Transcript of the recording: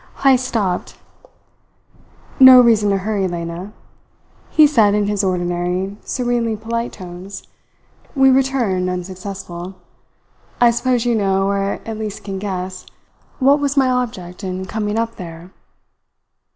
Heyst stopped. "No reason to hurry, Lena," he said in his ordinary, serenely polite tones. "We return unsuccessful. I suppose you know, or at least can guess, what was my object in coming up there?"